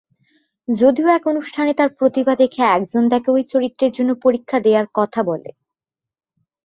যদিও এক অনুষ্ঠানে তার প্রতিভা দেখে একজন তাকে ওই চরিত্রের জন্য পরীক্ষা দেয়ার কথা বলে।